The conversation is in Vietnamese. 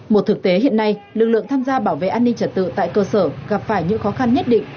một thực tế hiện nay lực lượng tham gia bảo vệ an ninh trật tự tại cơ sở gặp phải những khó khăn nhất định